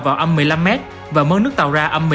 vào âm một mươi năm m và mớ nước tàu ra